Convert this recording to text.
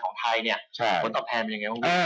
เป็นการยูทัพหญิงสบายยังไง